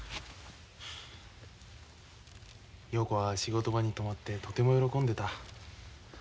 陽子は仕事場に泊まってとても喜んでた。